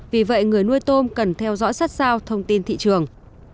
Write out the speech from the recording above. vì vậy người nuôi tôm cần theo dõi sát sao thông tin thị trường